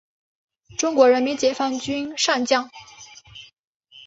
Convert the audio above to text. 中国人民解放军上将。